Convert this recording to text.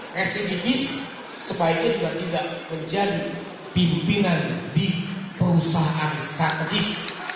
residivis sebaiknya juga tidak menjadi pimpinan di perusahaan strategis